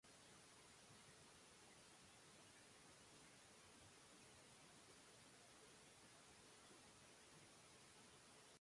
எங்கள் எஜமானரோடு வந்தவர்களாக இருக்கலாம் என்று கவலையோடு தில்லைநாயகம் சொன்னார்.